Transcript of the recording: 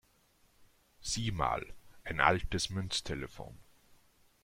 Sieh mal, ein altes Münztelefon!